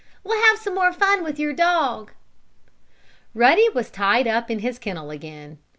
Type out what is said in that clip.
"We'll have some more fun with your dog." Ruddy was tied up in his kennel again.